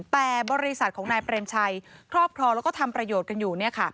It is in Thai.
แต่บริษัทของนายเปรมชัยครอบครองแล้วก็ทำประโยชน์กันอยู่